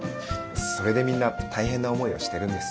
それでみんな大変な思いをしてるんです。